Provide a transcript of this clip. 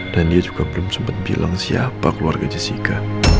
dan dia juga belum sempet bilang siapa keluarga jessica